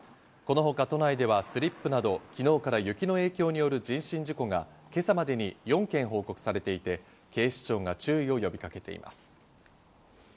このほか都内ではスリップなど、昨日から雪の影響による人身事故が今朝までに４件報告されていて警視庁が注意を呼びかけています。